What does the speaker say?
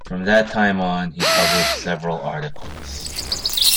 From that time on he published several articles.